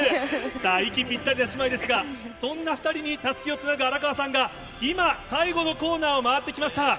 さあ、息ぴったりの姉妹ですが、そんな２人にたすきをつなぐ荒川さんが、今、最後のコーナーを回ってきました。